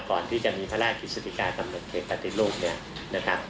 ก่อนที่จะมีภาระกิจสินติกากำหนดเครียดปฏิโรค